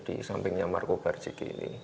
di sampingnya marco barjeki ini